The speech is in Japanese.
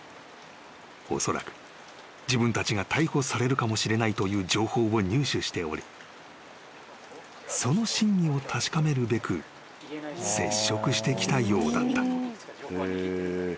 ［おそらく自分たちが逮捕されるかもしれないという情報を入手しておりその真偽を確かめるべく接触してきたようだった］